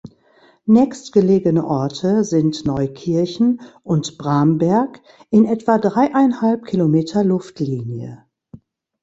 Nächstgelegene Orte sind Neukirchen und Bramberg in etwa dreieinhalb Kilometer Luftlinie.